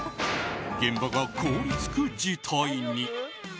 現場が凍りつく事態に。